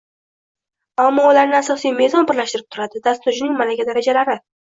Ammo ularni asosiy me’zon birlashtirib turadi dasturchining malaka darajalari